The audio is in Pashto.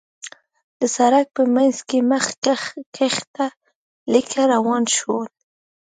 د سړک په مينځ کې مخ کښته ليکه روان شول.